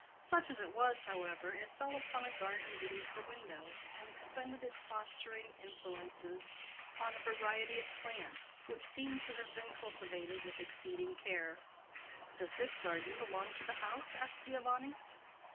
Such as it was, however, it fell upon a garden beneath the window and expended its fostering influences on a variety of plants, which seemed to have been cultivated with exceeding care. "Does this garden belong to the house?" asked Giovanni.